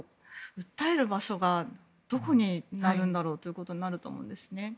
訴える場所がどこにあるんだろうとなると思うんですね。